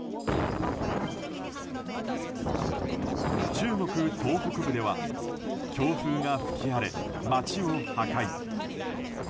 中国東北部では強風が吹き荒れ街を破壊。